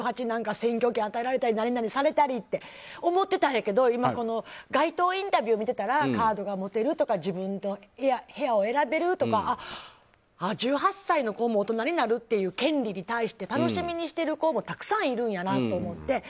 １８なんか選挙権与えられたり何々されたりって嫌やと思ってたんやけど街頭インタビュー見てたらカードが持てるとか自分の部屋を選べるとか１８歳の子も大人になるっていう権利に対して楽しみにしている子もたくさんいるんやなと思って。